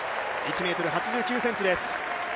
１ｍ８９ｃｍです。